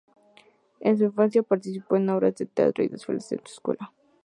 En su infancia participó en obras de teatro y desfiles en su escuela.